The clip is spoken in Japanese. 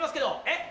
えっ？